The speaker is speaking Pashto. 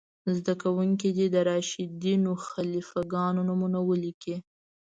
زده کوونکي دې د راشدینو خلیفه ګانو نومونه ولیکئ.